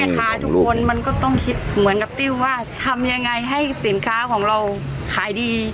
กล้ามทุกทางนะคะ